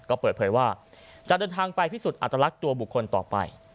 ก็เปิดเผยว่าจะเดินทางไปพิสูจน์อัตลักษณ์ตัวบุคคลต่อไป